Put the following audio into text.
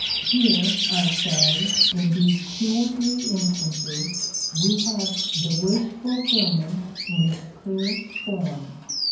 Here, I say, in these two or three instances, we have the "wish fulfillment" in its clearest form.